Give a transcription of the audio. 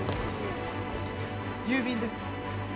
郵便です。